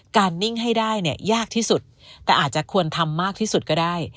นิ่งให้ได้เนี่ยยากที่สุดแต่อาจจะควรทำมากที่สุดก็ได้